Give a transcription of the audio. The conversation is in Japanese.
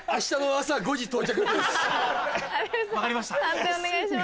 判定お願いします。